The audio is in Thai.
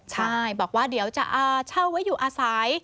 ใช่บอกว่าเดี๋ยวจะเช่าไว้อยู่อาศัย